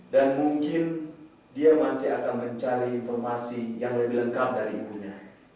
dan mungkin dia masih akan mencari informasi yang lebih lengkap dari ibunya